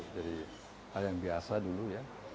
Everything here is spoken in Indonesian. jadi hal yang biasa dulu ya